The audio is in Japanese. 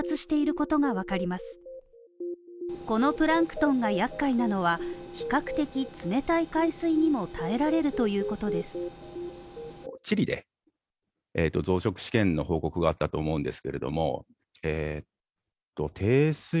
このプランクトンが厄介なのは比較的冷たい海水にも耐えられるということです。